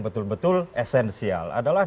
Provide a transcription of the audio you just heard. betul betul esensial adalah